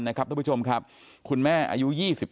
ทุกผู้ชมครับคุณแม่อายุ๒๓